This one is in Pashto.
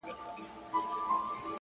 • دلته ما په خپلو سترګو دي لیدلي ,